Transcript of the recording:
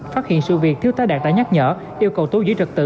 phát hiện sự việc thiếu tá đạt đã nhắc nhở yêu cầu tú giữ trực tự